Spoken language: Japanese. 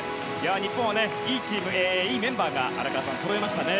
日本はいいメンバーがそろいましたね。